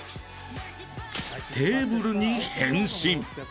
テーブルに変身。